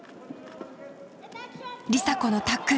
梨紗子のタックル。